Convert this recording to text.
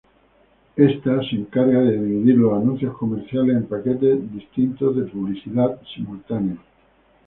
Esta se encarga de dividir los anuncios comerciales en paquetes distintos de publicidad simultánea.